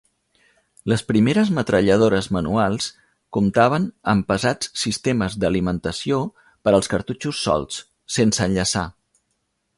Les primeres metralladores manuals comptaven amb pesats sistemes d'alimentació per als cartutxos solts; sense enllaçar.